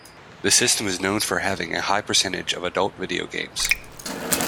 The system is known for having a high percentage of adult video games.